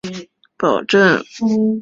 符号货币的发行无须黄金保证。